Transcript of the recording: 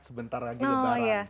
sebentar lagi lebaran